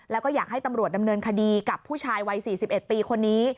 แล้วก็อยากให้ตำรวจดำเนินคดีกับผู้ชายวัย๔๑ปีคนนี้